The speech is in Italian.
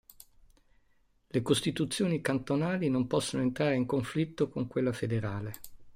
Le costituzioni cantonali non possono entrare in conflitto con quella federale.